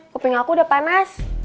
koping aku udah panes